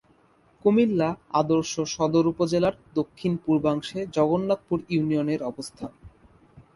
কুমিল্লা আদর্শ সদর উপজেলার দক্ষিণ-পূর্বাংশে জগন্নাথপুর ইউনিয়নের অবস্থান।